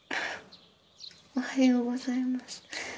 おはようございます。